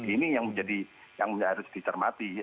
ini yang menjadi yang harus dicermati